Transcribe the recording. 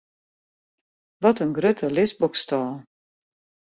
Wat in grutte lisboksstâl!